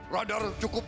radar cukup pak